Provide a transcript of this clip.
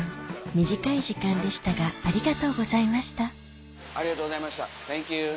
短い時間でしたがありがとうございましたありがとうございましたサンキュー。